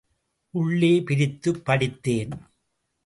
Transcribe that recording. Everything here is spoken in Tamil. உள்ளே பிரித்துப் படித்தேன்.